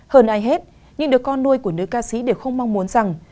hơn ai hết nhưng đứa con nuôi của nữ ca sĩ đều không mong muốn rằng